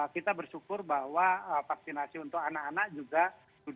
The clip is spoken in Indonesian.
kita bersyukur bahwa vaksinasi untuk anak anak juga sudah dilakukan dalam pekan ini